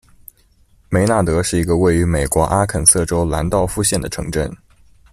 梅纳德是一个位于美国阿肯色州兰道夫县的城镇。